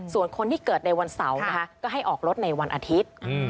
ส่วนคนที่เกิดในวันเสาร์นะคะก็ให้ออกรถในวันอาทิตย์